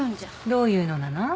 どういうのなの？